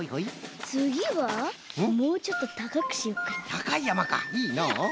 たかいやまかいいのう。